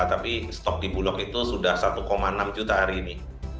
tapi stok di bulog itu sudah satu enam juta hari ini